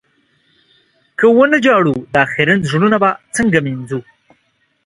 که و نه ژاړو، دا خيرن زړونه به څنګه مينځو؟